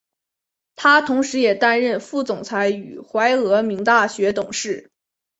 他同时也担任副总裁与怀俄明大学董事。